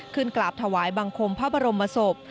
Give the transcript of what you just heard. กราบถวายบังคมพระบรมศพ